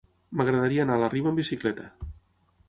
M'agradaria anar a la Riba amb bicicleta.